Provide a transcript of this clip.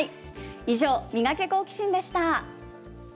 以上、ミガケ、好奇心！でした。